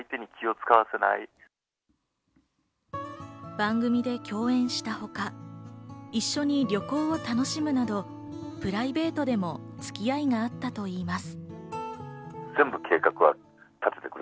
番組で共演したほか、一緒に旅行を楽しむなど、プライベートでも付き合いがあったといいます。